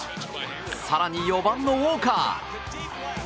更に、４番のウォーカー。